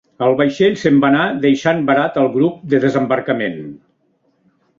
El vaixell se'n va anar, deixant varat el grup de desembarcament.